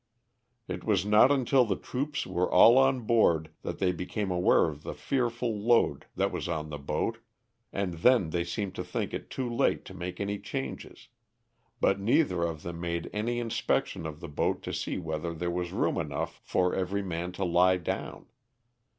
It was not until the troops were all on board that they became aware of the fearful load that was on the boat, and then they seemed to think it too late to make any change, but neither of them made any inspection of the boat to see whether there was room enough for every man to lie down.